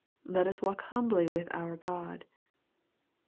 Let us walk humbly with our God.